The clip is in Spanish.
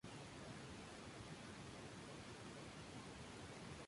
Actualmente corre para el Shania Competición de su país.